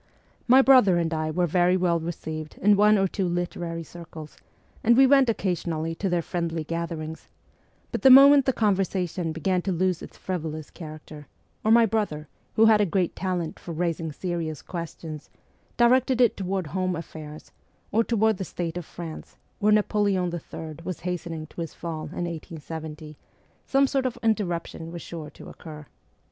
My brother and I were very well received in one or two literary circles, and we went occasionally to their friendly gatherings ; but the moment the conversation began to lose its frivolous character, or my brother, who had a great talent for raising serious questions, directed it toward home affairs, or toward the state of France, where Napo leon III was hastening to his fall in 1870, some sort of interruption was sure to occur.